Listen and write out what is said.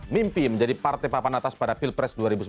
mimpi menjadi partai papan atas pada pilpres dua ribu sembilan belas